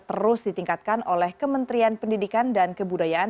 terus ditingkatkan oleh kementerian pendidikan dan kebudayaan